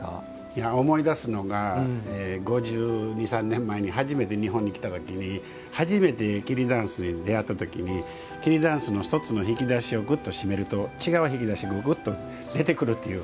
思い出すのが５２５３年前に初めて日本に来た時に初めて桐だんすに出合った時に桐だんすの１つの引き出しをぐっと閉めると違う引き出しがぐっと出てくるという。